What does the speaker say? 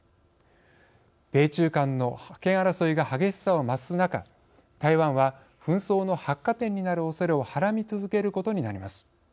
米中間の覇権争いが激しさを増す中台湾は紛争の発火点になるおそれをはらみ続けることになります。